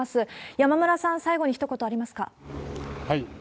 山村さん、最後にひと言ありますか？